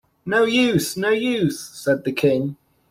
‘No use, no use!’ said the King.